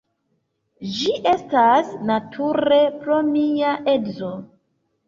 Ĝi estas nature pro mia edzo.